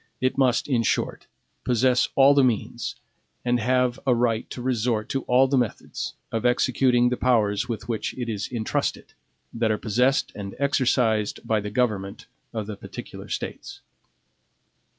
It must, in short, possess all the means, and have aright to resort to all the methods, of executing the powers with which it is intrusted, that are possessed and exercised by the government of the particular States.